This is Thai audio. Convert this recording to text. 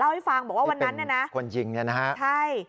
ให้ฟังบอกว่าวันนั้นเนี่ยนะคนยิงเนี่ยนะฮะใช่